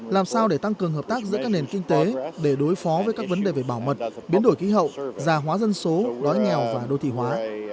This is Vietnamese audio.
làm sao để tăng cường hợp tác giữa các nền kinh tế để đối phó với các vấn đề về bảo mật biến đổi khí hậu gia hóa dân số đói nghèo và đô thị hóa